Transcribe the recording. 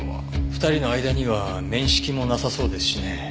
２人の間には面識もなさそうですしね。